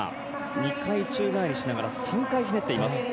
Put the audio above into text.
２回宙返りしながら３回ひねっています。